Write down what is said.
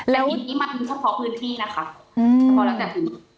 แต่ที่นี้มันถึงเฉพาะพื้นที่นะคะพอแล้วแต่ถึงค่ะ